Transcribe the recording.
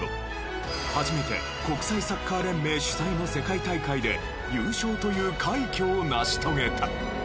初めて国際サッカー連盟主催の世界大会で優勝という快挙を成し遂げた。